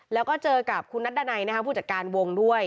แล้วก็เจอกับคุณนัดดันัยผู้จัดการวงด้วย